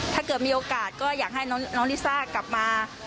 ถ้าเกิดมีโอกาสก็อยากให้น้องลิซ่ากลับมา